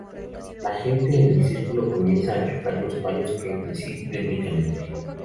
La gente en el círculo comienza a chocar los palos entre sí rítmicamente.